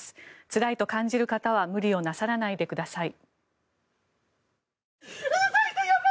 つらいと感じる方は無理をなさらないでください。